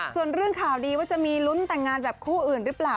ส่วนเรื่องข่าวดีว่าจะมีลุ้นแต่งงานแบบคู่อื่นหรือเปล่า